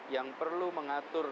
yang perlu mengatur